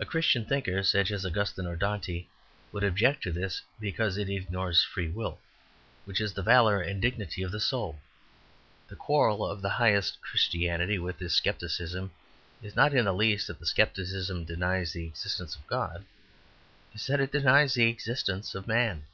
A Christian thinker such as Augustine or Dante would object to this because it ignores free will, which is the valour and dignity of the soul. The quarrel of the highest Christianity with this scepticism is not in the least that the scepticism denies the existence of God; it is that it denies the existence of man.